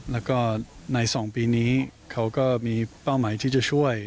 แล้วก็ใน๒ปีนี้เขาก็มีเป้าหมายที่จะช่วย